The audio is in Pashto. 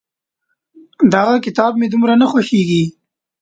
دغه کتاب مې دومره نه خوښېږي.